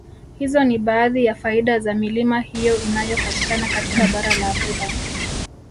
Hizo ni baadhi ya faida za milima hiyo inayopatikana katika bara la Afrika